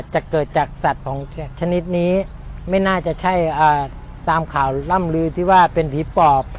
จะเกิดจากสัตว์ของชนิดนี้ไม่น่าจะใช่ตามข่าวล่ำลือที่ว่าเป็นผีปอบ